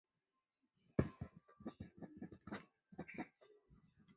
东京市民举行了盛大的庆祝活动。